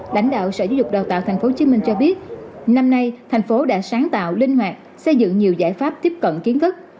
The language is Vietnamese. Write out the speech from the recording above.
lãnh đạo sở giáo dục đào tạo tp hcm cho biết năm nay thành phố đã sáng tạo linh hoạt xây dựng nhiều giải pháp tiếp cận kiến thức